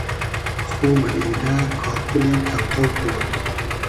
خو مئلیدۂ کاکولی تۆ تۆ تو بود